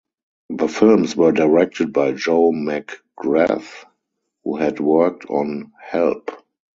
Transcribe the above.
The films were directed by Joe McGrath, who had worked on Help!